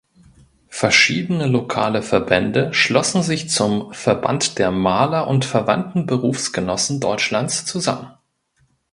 Verschiedene lokale Verbände schlossen sich zum "Verband der Maler und verwandten Berufsgenossen Deutschlands" zusammen.